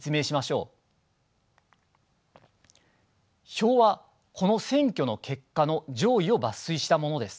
表はこの選挙の結果の上位を抜粋したものです。